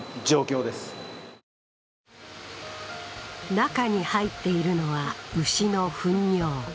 中に入っているのは牛の糞尿。